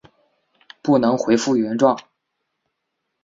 不能回复原状